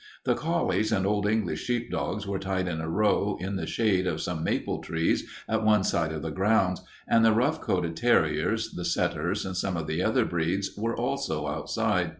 The collies and Old English sheepdogs were tied in a row in the shade of some maple trees at one side of the grounds, and the rough coated terriers, the setters, and some of the other breeds were also outside.